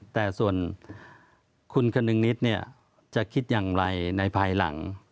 แต่ส่วนคุณคนึงนิดเนี่ยจะคิดอย่างไรในภายหลัง